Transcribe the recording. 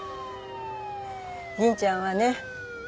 銀ちゃんはね